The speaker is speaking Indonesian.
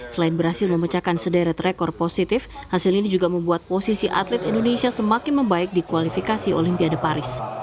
selain berhasil memecahkan sederet rekor positif hasil ini juga membuat posisi atlet indonesia semakin membaik di kualifikasi olimpiade paris